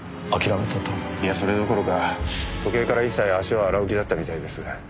いやそれどころか時計から一切足を洗う気だったみたいです。